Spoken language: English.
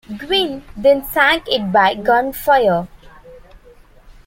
"Gwin" then sank it by gunfire.